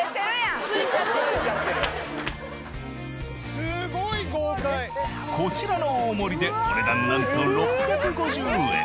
すごい。こちらの大盛りでお値段なんと６５０円。